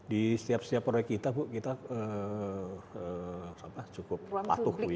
di setiap setiap proyek kita bu kita cukup patuh